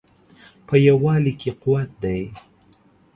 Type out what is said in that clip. په یووالي کې قوت دی